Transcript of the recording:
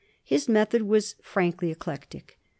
His method was frankly eclectic.